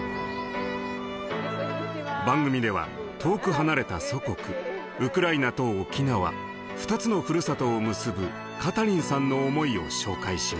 番組では遠く離れた祖国ウクライナと沖縄２つのふるさとを結ぶカタリンさんの思いを紹介しました。